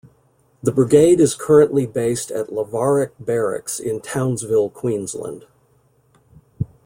The brigade is currently based at Lavarack Barracks in Townsville, Queensland.